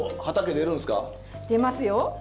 出ますよ。